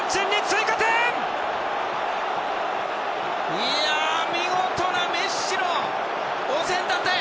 いやあ、見事なメッシのお膳立て！